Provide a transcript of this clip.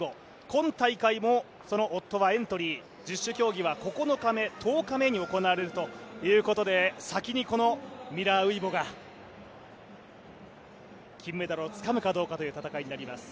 今大会もその夫はエントリー十種競技は９日目、１０日目に行われるということで先にこのミラー・ウイボが金メダルをつかむかどうかということになります。